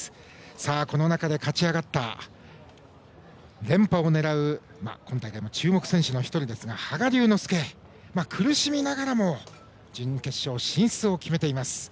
この中で勝ち上がった連覇を狙う今大会の注目選手の１人ですが羽賀龍之介、苦しみながらも準決勝進出を決めています。